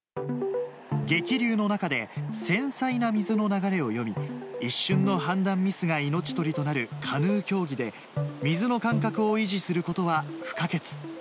激流の中で、繊細な水の流れを読み、一瞬の判断ミスが命取りとなるカヌー競技で、水の感覚を維持することは不可欠。